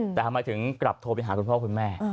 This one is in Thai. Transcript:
แต่ทำไมถึงกลับโทรไปหาคุณพ่อคุณแม่